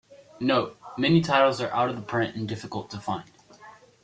Note: Many titles are out-of-print and difficult to find.